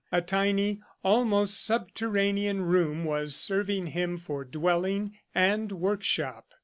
A tiny, almost subterranean room was serving him for dwelling and workshop.